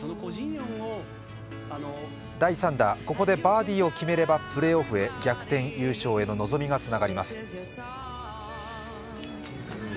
第３打、ここでバーディーを決めればプレーオフへ逆転優勝への望みがつながります。